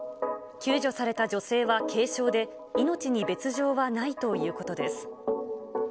救助された女性は軽傷で、命に別状はないということです。